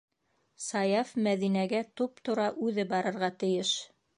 Саяф Мәҙинәгә туп-тура үҙе барырға тейеш!